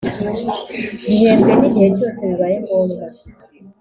Gihembwe n igihe cyose bibaye ngombwa